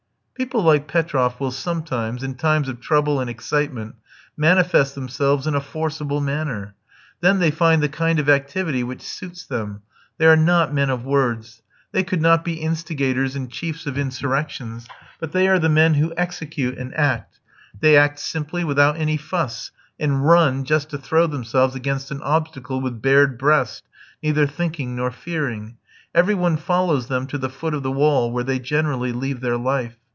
People like Petroff will sometimes, in times of trouble and excitement, manifest themselves in a forcible manner; then they find the kind of activity which suits them; they are not men of words; they could not be instigators and chiefs of insurrections, but they are the men who execute and act; they act simply without any fuss, and run just to throw themselves against an obstacle with bared breast, neither thinking nor fearing. Every one follows them to the foot of the wall, where they generally leave their life.